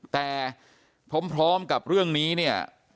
แต่พร้อมกับเรื่องนี้เนี่ย